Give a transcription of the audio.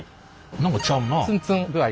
何かちゃうなあ。